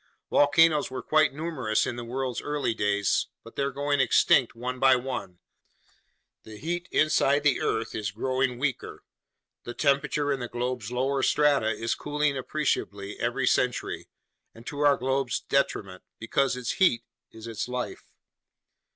Volcanoes were quite numerous in the world's early days, but they're going extinct one by one; the heat inside the earth is growing weaker, the temperature in the globe's lower strata is cooling appreciably every century, and to our globe's detriment, because its heat is its life."